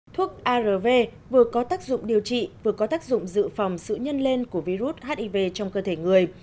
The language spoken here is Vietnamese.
thuốc arv vừa có tác dụng điều trị vừa có tác dụng dự phòng sự nhân lên của virus hiv trong cơ thể người